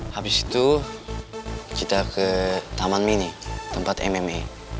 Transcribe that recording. habis itu kita ke taman mini tempat mma